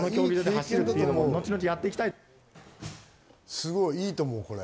すごいいいと思う、これ。